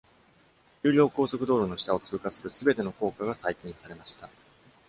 有料高速道路の下を通過するすべての高架が再建されました。